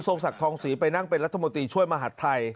ศักดิ์ทองศรีไปนั่งเป็นรัฐมนตรีช่วยมหาดไทย